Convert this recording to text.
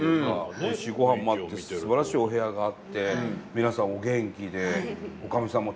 おいしいごはんもあってすばらしいお部屋があって皆さんお元気で女将さんも達者で。